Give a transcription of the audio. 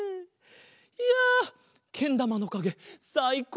いやけんだまのかげさいこうだった！